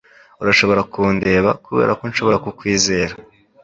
Urashobora kundeba 'kuberako nshobora kukwizera